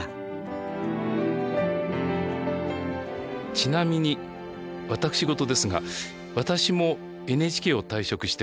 ちなみに私事ですが私もＮＨＫを退職して５年。